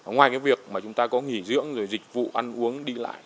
ngoài cái việc mà chúng ta có nghỉ dưỡng rồi dịch vụ ăn uống đi lại